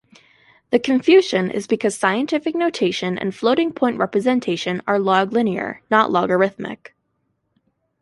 The confusion is because scientific notation and floating-point representation are log-linear, not logarithmic.